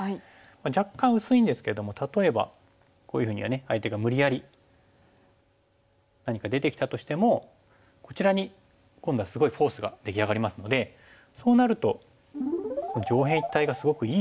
若干薄いんですけども例えばこういうふうに相手が無理やり何か出てきたとしてもこちらに今度はすごいフォースが出来上がりますのでそうなると上辺一帯がすごくいい模様になってきますよね。